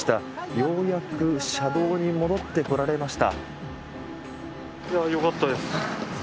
ようやく車道に戻ってこられました。